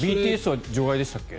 ＢＴＳは除外でしたっけ。